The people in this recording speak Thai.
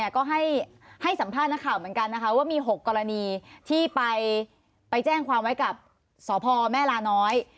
ก็ให้สัมภาษณ์นักข่าวเหมือนกันนะคะว่ามี๖กรณีที่ไปแจ้งความไว้กับสพแม่ลาน้อย